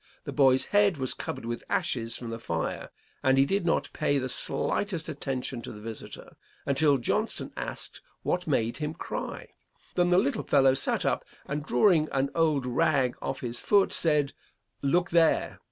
The boy's head was covered with ashes from the fire, and he did not pay the slightest attention to the visitor, until Johnston asked what made him cry. Then the little fellow sat up and drawing on old rag off his foot said, 'Look there.'